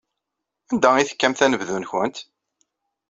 Anda ay tekkamt anebdu-nwent?